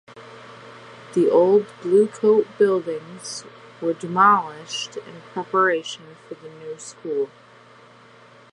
The old Bluecoat buildings were demolished in preparation for the new school.